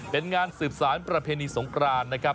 เป็นงานสืบสารประเพณีสงครานนะครับ